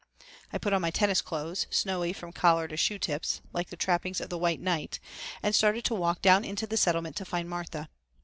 I put on my tennis clothes, snowy from collar to shoe tips, like the trappings of the White Knight, and started to walk down into the Settlement to find Martha.